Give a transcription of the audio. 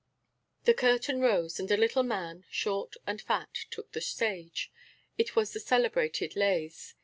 The curtain rose and a little man, short and fat, took the stage; it was the celebrated Lays.